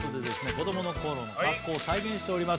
子供の頃の格好を再現しております